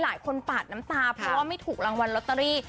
ปาดน้ำตาเพราะว่าไม่ถูกรางวัลลอตเตอรี่